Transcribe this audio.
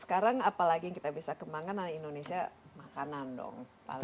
sekarang apalagi yang kita bisa kembangkan indonesia makanan dong